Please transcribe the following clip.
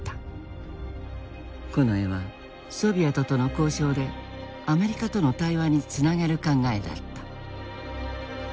近衛はソビエトとの交渉でアメリカとの対話につなげる考えだった。